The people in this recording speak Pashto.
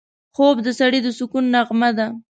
خوب د سړي د سکون نغمه ده